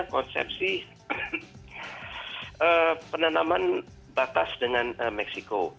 konsepsi penanaman batas dengan meksiko